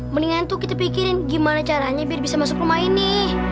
mendingan tuh kita pikirin gimana caranya biar bisa masuk rumah ini